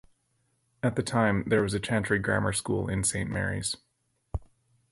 At the time, there was a chantry grammar school in Saint Mary's.